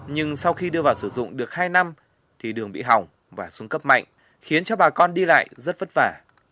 nhưng sau khi đưa vào sử dụng được hai năm thì đường bị hỏng và xuống cấp mạnh khiến cho bà con đi lại rất vất vả